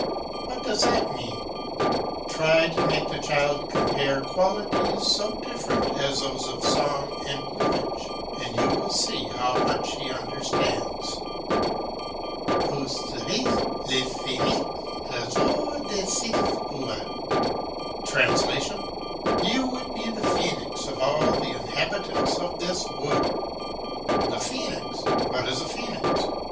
What does that mean? Try to make the child compare qualities so different as those of song and plumage; you will see how much he understands. "Vous seriez le phenix des hotes de ces bois!" ("You would be the phoenix of all the inhabitants of this wood!") The phoenix! What is a phoenix?